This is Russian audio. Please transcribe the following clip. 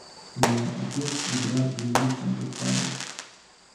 У меня отец и брат гниют там, как падаль.